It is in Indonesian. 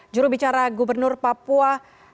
juru bicara gubernur papua